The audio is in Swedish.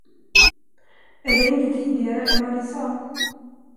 Är det inte tidigare än vad ni sa?